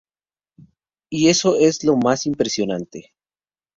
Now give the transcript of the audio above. Y eso es lo más impresionante.